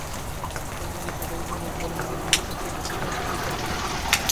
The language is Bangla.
সরকারকে চটালে পরিণতি ভালো হবে না—এমনটা হয়তো তিনি আঁচ করতে পারছেন।